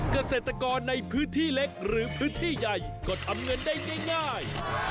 เกษตรกรในพื้นที่เล็กหรือพื้นที่ใหญ่ก็ทำเงินได้ง่าย